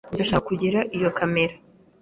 Ndashaka kugira iyi kamera.